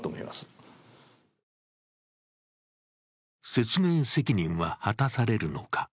説明責任は果たされるのか。